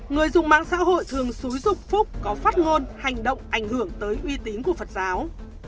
người dùng mạng xã hội thường xúi dục phúc có phát ngôn hành động ảnh hưởng tới uy tín của phật giáo